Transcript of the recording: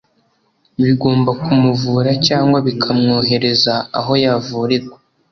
bigomba kumuvura cyangwa bikamwohereza aho yavurirwa,